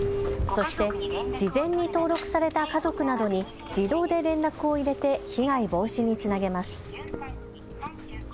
そして、事前に登録された家族などに自動で連絡を入れて被害防止につなげます。